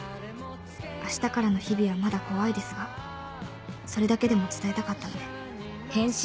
「明日からの日々はまだ怖いですがそれだけでも伝えたかったので」。